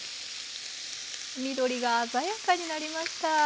緑が鮮やかになりました。